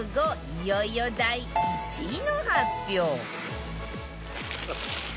いよいよ第１位の発表